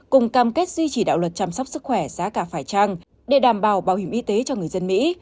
cùng cam kết duy trì đạo luật chăm sóc sức khỏe giá cả phải trăng để đảm bảo bảo hiểm y tế cho người dân mỹ